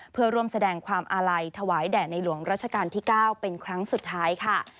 เพื่อร่วมแสดงความอาลัยถวายแด่ในหลวงราชการที่๙เป็นครั้งสุดท้ายค่ะ